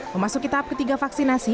memasuki tahap ketiga vaksinasi